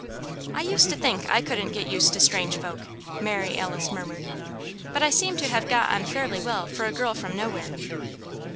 "I used to think I couldn't get used to strange folk," Mary Alice murmured, "but I seem to have got on fairly well for a girl from Nowhere."